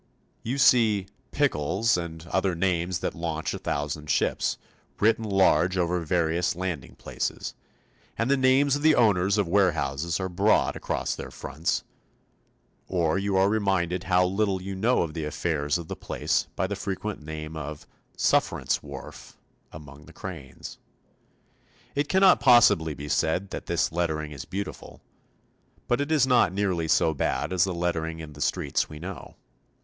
You see 'Pickles' and other names that launch a thousand ships, written large over various landing places, and the names of the owners of warehouses are broad across their fronts; or you are reminded how little you know of the affairs of the place by the frequent name of 'Sufferance Wharf' among the cranes. It cannot possibly be said that this lettering is beautiful, but it is not nearly so bad as the lettering in the streets we know.